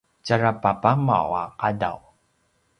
tjara papamaw a qadaw